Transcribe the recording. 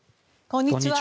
こんにちは。